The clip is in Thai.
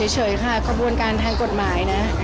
เฉยค่ะกระบวนการทางกฎหมายนะ